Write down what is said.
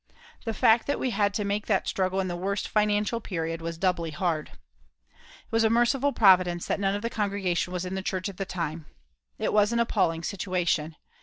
The fact that we had to make that struggle in the worst financial period was doubly hard. It was a merciful providence that none of the congregation was in the church at the time. It was an appalling situation.